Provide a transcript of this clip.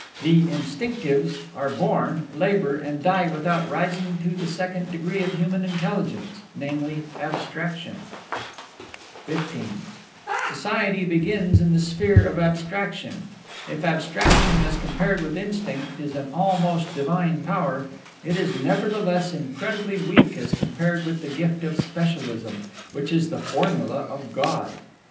The Instinctives are born, labor, and die without rising to the second degree of human intelligence, namely Abstraction. XV Society begins in the sphere of Abstraction. If Abstraction, as compared with Instinct, is an almost divine power, it is nevertheless incredibly weak as compared with the gift of Specialism, which is the formula of God.